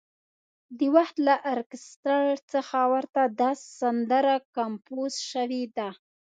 د وخت له ارکستر څخه ورته دا سندره کمپوز شوې ده.